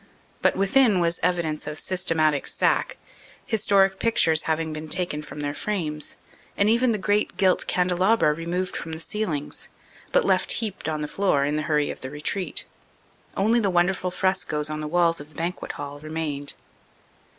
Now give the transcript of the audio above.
But within was evidence of systematic sack, historic pictures having been taken from their frames, and even the great gilt candelabra removed from the ceilings, but left heaped on the floor, in the hurry of the retreat. Only the wonderful frescoes on the walls of the banquet hall remained.